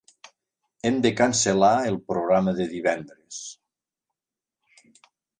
Hem de cancel·lar el programa de divendres.